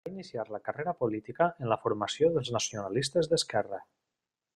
Va iniciar la carrera política en la formació dels Nacionalistes d'Esquerra.